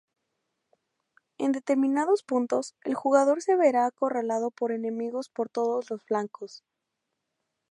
En determinados puntos, el jugador se verá acorralado por enemigos por todos los flancos.